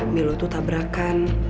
milo tuh tabrakan